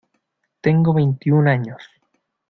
Tengo veintiún años.